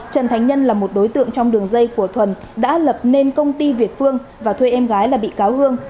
trần thánh nhân là một đối tượng trong đường dây của thuần đã lập nên công ty việt phương và thuê em gái là bị cáo hương